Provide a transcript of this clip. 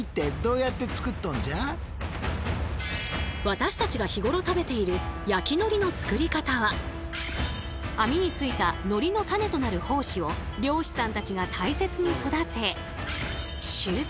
私たちが日頃食べている網についた海苔の種となる胞子を漁師さんたちが大切に育て収穫。